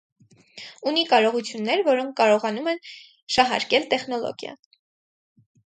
Ունի կարողություններ, որոնք կարողանում են շահարկել տեխնոլոգիան։